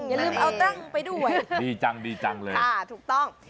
อย่าลืมเอาตั้งไปด้วยดีจังดีจังเลยค่ะถูกต้อง